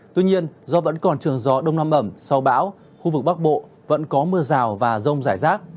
tuy nhiên do vẫn còn trường gió đông nam ẩm sau bão khu vực bắc bộ vẫn có mưa rào và rông rải rác